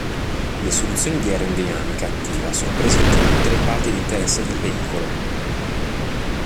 Soluzioni di aerodinamica attiva sono presenti in tutte le parti di interesse del veicolo.